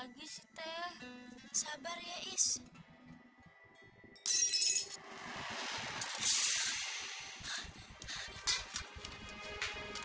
biar teteh cari bapak